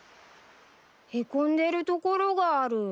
へこんでるところがある。